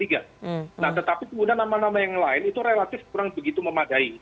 nah tetapi kemudian nama nama yang lain itu relatif kurang begitu memadai